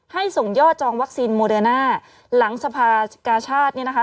ให้ส่งยอดจองวัคซีนโมเดินอ่าหลังสภาคชาติเนี้ยนะคะ